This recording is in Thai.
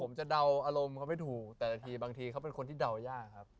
ผมจะเดาอารมณ์เขาไม่ถูกแต่ละทีบางทีเขาเป็นคนที่เดายากครับ